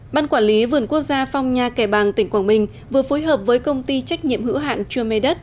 ban quản lý vườn quốc gia phong nha kẻ bàng tỉnh quảng bình vừa phối hợp với công ty trách nhiệm hữu hạn chua mê đất